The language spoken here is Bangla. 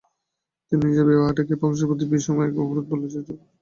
তিনি নিজের বিবাহটাকে এ বংশের প্রতি বিষম একটা অপরাধ বলেই চিরকাল মনে জেনেছেন।